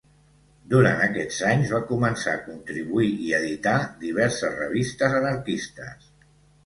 Durant aquests anys, va començar a contribuir i editar diverses revistes anarquistes.